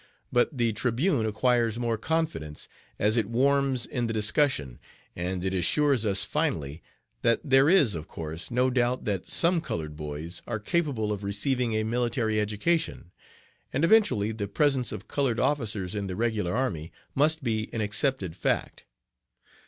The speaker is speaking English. But the Tribune acquires more confidence as it warms in the discussion, and it assures us finally that 'there is, of course, no doubt that some colored boys are capable of receiving a military education; and eventually the presence of colored officers in the regular army must be an accepted fact.'